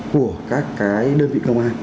của các cái đơn vị công an